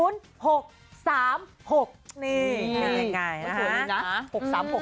นี่ง่ายนะฮะ